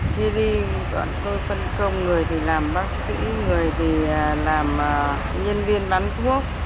khi đi đoạn tôi phân công người thì làm bác sĩ người thì làm nhân viên bán thuốc